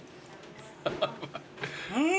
うん！